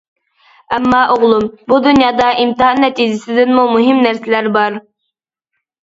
ئەمما ئوغلۇم، بۇ دۇنيادا ئىمتىھان نەتىجىسىدىنمۇ مۇھىم نەرسىلەر بار.